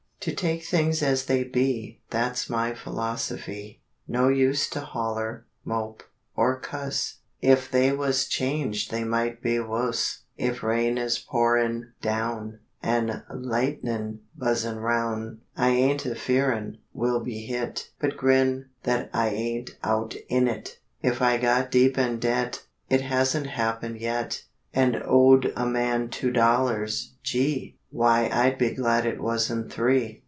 To take things as they be Thet's my philosophy. No use to holler, mope, or cuss If they was changed they might be wuss. If rain is pourin' down, An' lightnin' buzzin' roun', I ain't a fearin' we'll be hit, But grin thet I ain't out in it. If I got deep in debt It hasn't happened yet And owed a man two dollars, Gee! Why I'd be glad it wasn't three.